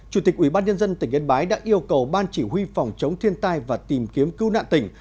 chủ tịch ubnd tỉnh yên bái đã yêu cầu ban chỉ huy phòng chống thiên tai và tìm kiếm cứu nạn tỉnh